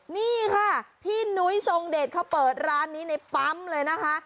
นี่ค่ะพี่นุ้ยทรงเดชเขาเปิดร้านนี้ในปั๊มเลยนะคะ